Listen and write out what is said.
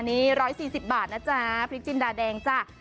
นี่๑๔๐บาทนะจ๊ะพริกจินดาแดงจ้ะ